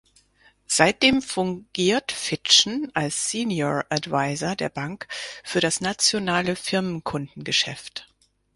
Seitdem fungiert Fitschen als "Senior Adviser" der Bank für das nationale Firmenkundengeschäft.